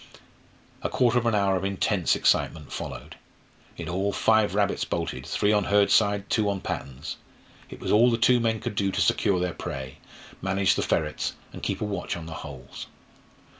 A quarter of an hour of intense excitement followed. In all, five rabbits bolted three on Hurd's side, two on Patton's. It was all the two men could do to secure their prey, manage the ferrets, and keep a watch on the holes.